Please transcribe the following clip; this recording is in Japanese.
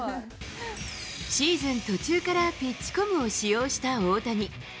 シーズン途中からピッチコムを使用した大谷。